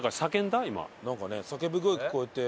なんかね叫び声聞こえて。